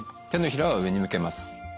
手のひらは上に向けます。